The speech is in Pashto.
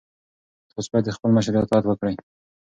تاسو باید د خپل مشر اطاعت وکړئ.